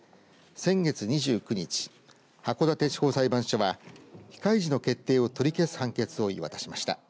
先月２９日、函館地方裁判所は非開示の決定を取り消す判決を言い渡しました。